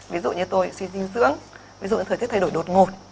ví dụ như tôi suy dinh dưỡng ví dụ thời tiết thay đổi đột ngột